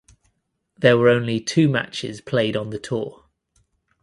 There were only two matches played on the tour.